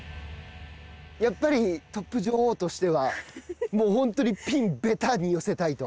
やっぱりトップ女王としては、もう本当にピン、ベタに寄せたいと。